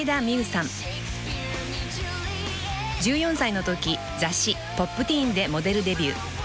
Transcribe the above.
［１４歳のとき雑誌『Ｐｏｐｔｅｅｎ』でモデルデビュー］